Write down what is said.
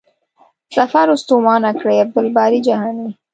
سفر ستومانه کړی.عبدالباري جهاني